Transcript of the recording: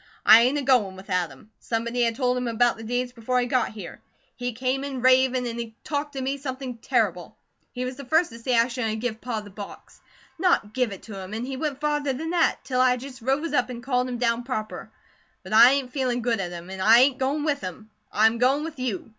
"I ain't a goin' with Adam. Somebody had told him about the deeds before he got here. He came in ravin', and he talked to me something terrible. He was the first to say I shouldn't a give Pa the box. NOT GIVE IT TO HIM! An' he went farther than that, till I just rose up an' called him down proper; but I ain't feelin' good at him, an' I ain't goin' with him. I am goin' with you.